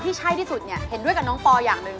ใช่ที่สุดเนี่ยเห็นด้วยกับน้องปออย่างหนึ่ง